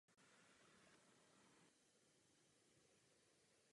V kvalifikačním kole skončila jeho cesta také na letních olympijských hrách v Sydney.